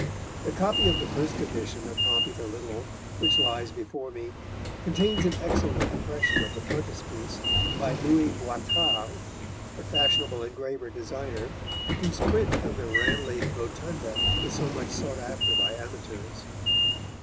The copy of the first edition of Pompey the Little, which lies before me, contains an excellent impression of the frontispiece by Louis Boitard, the fashionable engraver designer, whose print of the Ranelagh Rotunda is so much sought after by amateurs.